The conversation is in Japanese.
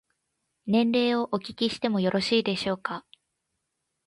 年齢をお聞きしてもよろしいでしょうか。